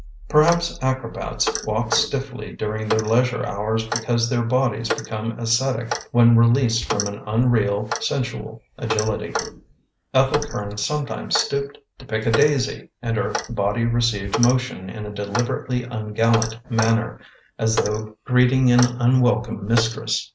Perhaps acrobats walk stiffly during their leisure hours because their bodies become ascetic when released from an unreal, sensual agility. Ethel Curn sometimes stooped to pick a daisy and her body received motion in a deliberately ungallant manner, as though greeting an unwelcome mistress.